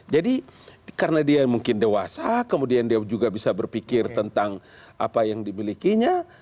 jadi karena dia mungkin dewasa kemudian dia juga bisa berpikir tentang apa yang dimilikinya